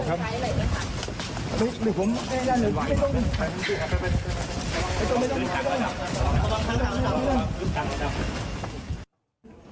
เดี๋ยวไปดู